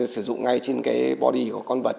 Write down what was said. sử dụng ngay trên body của con vật